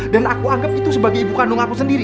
aku anggap itu sebagai ibu kandung aku sendiri